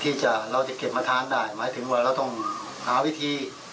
เราจะเราจะเก็บมาทานได้หมายถึงว่าเราต้องหาวิธี